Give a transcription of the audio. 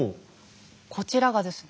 こちらがですね